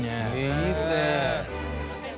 いいっすね。